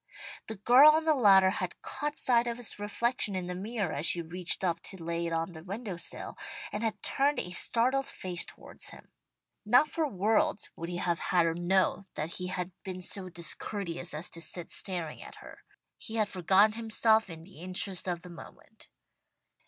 The girl on the ladder had caught sight of his reflection in the mirror as she reached up to lay it on the window sill, and had turned a startled face towards him. Not for worlds would he have had her know that he had been so discourteous as to sit staring at her. He had forgotten himself in the interest of the moment.